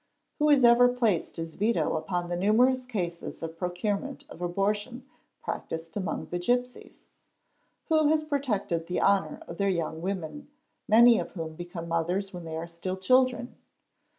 Who has ever placed | his veto upon the numerous cases of procurement of abortion practised amongst the gipsies? Who has protected the honour of their young _ women—many of whom become mothers when they are still children